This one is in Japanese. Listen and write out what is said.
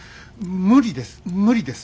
無理です無理です